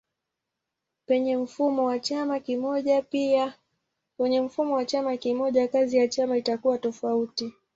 Penye mfumo wa chama kimoja kazi ya chama itakuwa tofauti.